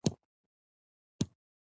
د تعلیم پیغام یو جدي اړتيا ده.